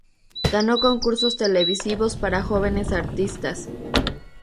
Ganó concursos televisivos para jóvenes artistas.